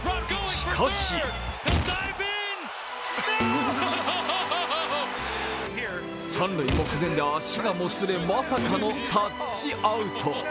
しかし三塁目前で足がもつれ、まさかのタッチアウト。